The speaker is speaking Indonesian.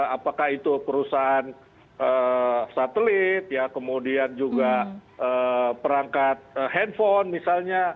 apakah itu perusahaan satelit kemudian juga perangkat handphone misalnya